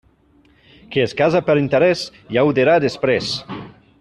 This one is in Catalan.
Qui es casa per interés ja ho dirà després.